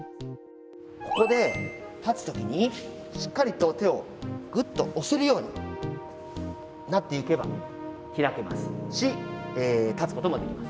ここで立つ時にしっかりと手をぐっと押せるようになっていけば開けますし立つこともできます。